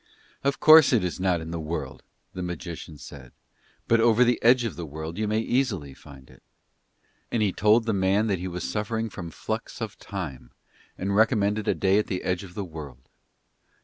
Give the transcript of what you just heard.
"Of course it is not in the world," the magician said, "but over the Edge of the World you may easily find it." And he told the man that he was suffering from flux of time and recommended a day at the Edge of the World.